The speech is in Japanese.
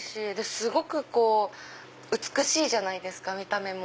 すごく美しいじゃないですか見た目も。